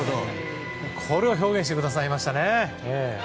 これを表現してくださいましたね。